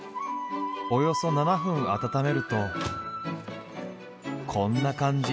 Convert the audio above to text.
およそ７分温めるとこんな感じ。